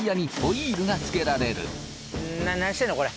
何してんのこれ？